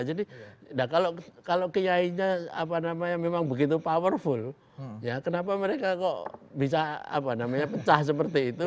jadi kalau kiai nya memang begitu powerful kenapa mereka kok bisa pecah seperti itu